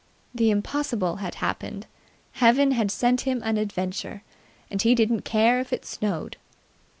The impossible had happened; Heaven had sent him an adventure, and he didn't care if it snowed.